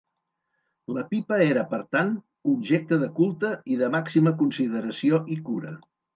La pipa era, per tant, objecte de culte i de màxima consideració i cura.